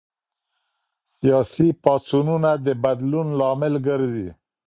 سياسي پاڅونونه د بدلون لامل ګرځي.